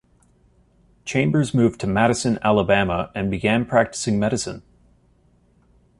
Chambers moved to Madison, Alabama and began practicing medicine.